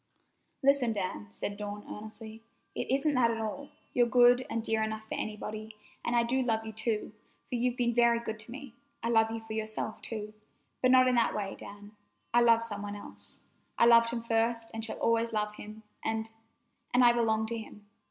"Listen, Dan," said Dawn earnestly. "It isn't that at all. You're good and dear enough for anybody, and I do love you, too, for you've been very good to me. I love you for yourself, too, but not in that way, Dan, for I love some one else. I loved him first and shall always love him, and—and—I belong to him.